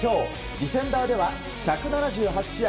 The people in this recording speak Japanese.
ディフェンダーでは１７８試合